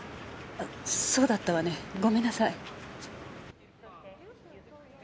あそうだったわね。ごめんなさい。